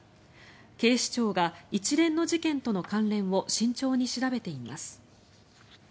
警視庁が一連の事件との関連を慎重に調べています。